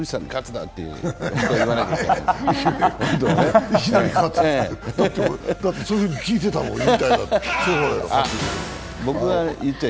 だってそういうふうに聞いてたもん、引退だって。